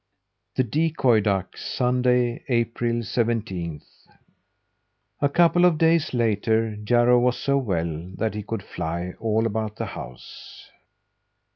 THE DECOY DUCK Sunday, April seventeenth. A couple of days later Jarro was so well that he could fly all about the house.